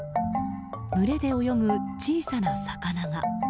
群れで泳ぐ小さな魚が。